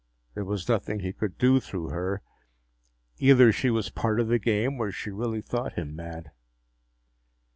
There was nothing he could do through her. Either she was part of the game or she really thought him mad.